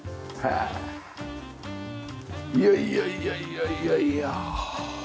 いやいやいやいやいやいや。